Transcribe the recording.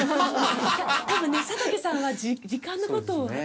多分ね佐竹さんは時間の事を考えて。